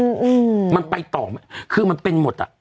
เออมันไปต่อคือมันเป็นหมดละ